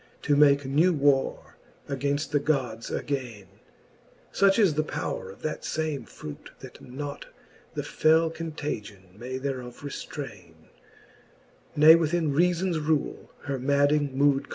To make new warre againft the Gods againe : Such is the powre of that fame fruit, that nought The fell contagion may thereof reftraine* Ne within reafons rule her madding mood containe, XII.